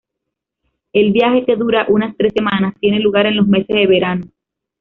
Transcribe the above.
El viaje, que dura unas tres semanas, tiene lugar en los meses de verano.